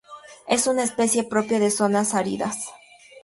Es una especie propia de zonas áridas.